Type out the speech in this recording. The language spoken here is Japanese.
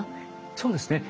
そうですね。